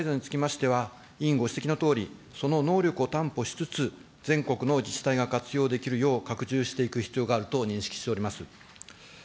気象防災アドバイザーにつきましては、委員ご指摘のとおり、その能力を担保しつつ、全国の自治体が活用できるよう拡充していく必要があると認識しております。